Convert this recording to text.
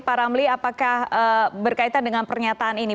pak ramli apakah berkaitan dengan pernyataan ini